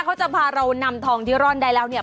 เขาจะพาเรานำทองที่ร่อนได้แล้วเนี่ย